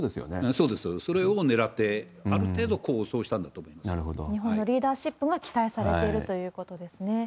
そうです、それをねらって、ある程度功を奏したんだと思いま日本のリーダーシップが期待されているということですね。